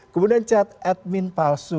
kemudian chat admin palsu